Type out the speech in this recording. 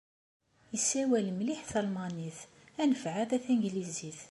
Yessawal mliḥ talmanit, anef ɛad a tanglizit.